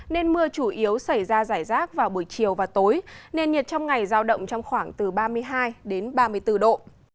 nên mưa chủ yếu xảy ra giải rác vào buổi chiều và tối nên nhiệt trong ngày giao động trong khoảng từ ba mươi hai đến ba mươi bốn độ